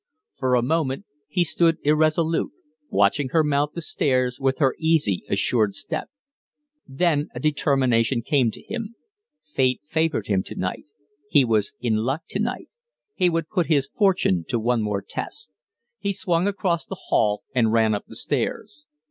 For a moment he stood irresolute, watching her mount the stairs with her easy, assured step. Then a determination came to him. Fate favored him to night; he was in luck tonight. He would put his fortune to one more test. He swung across the hall and ran up the stairs.